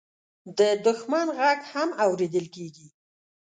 د دښمن غږ هم اورېدل کېږي.